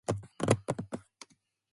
They suffered many casualties.